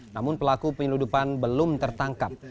namun pelaku penyeludupan belum tertangkap